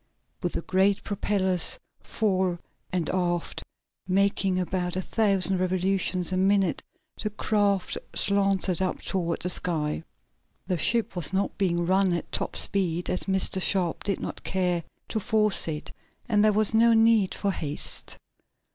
With the great propellers, fore and aft, making about a thousand revolutions a minute the craft slanted up toward the sky. The ship was not being run at top speed as Mr. Sharp did not care to force it, and there was no need for haste.